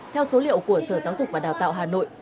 theo số liệu của sở giáo dục và đào tạo hà nội